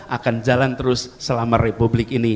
akan jalan terus selama republik ini